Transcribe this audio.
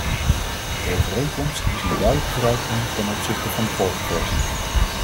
De overeenkomst is een duidelijke vooruitgang ten opzichte van de vorige versie.